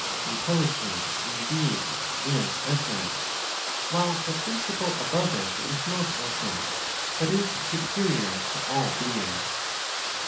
Intelligence indeed is essence, while the principle above it is not essence, but is superior to all beings.